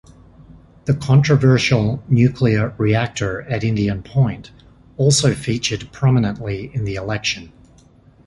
The controversial nuclear reactor at Indian Point also featured prominently in the election.